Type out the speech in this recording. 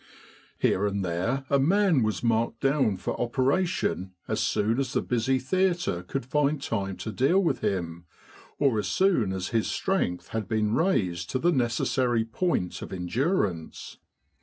Here and there a man was marked down for operation as soon as the busy theatre could find time to deal with him, or as soon as his strength had been raised to the necessary point of en durance.